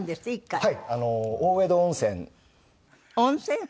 はい。